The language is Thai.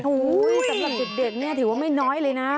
สำหรับเด็กเนี่ยถือว่าไม่น้อยเลยนะ